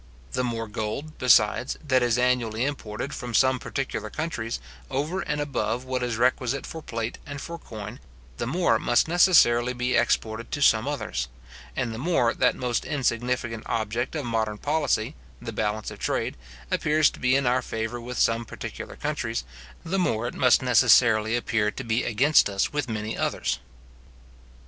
The more gold, besides, that is annually imported from some particular countries, over and above what is requisite for plate and for coin, the more must necessarily be exported to some others: and the more that most insignificant object of modern policy, the balance of trade, appears to be in our favour with some particular countries, the more it must necessarily appear to be against us with many others.